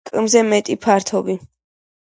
კმ-ზე მეტი ფართობი.